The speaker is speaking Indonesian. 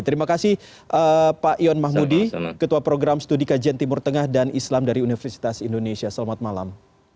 terima kasih pak ion mahmudi ketua program studi kajian timur tengah dan islam dari universitas indonesia selamat malam